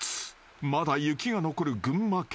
まだ雪が残る群馬県］